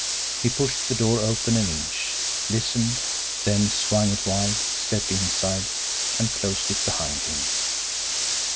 He pushed the door open an inch, listened, then swung it wide, stepped inside, and closed it behind him.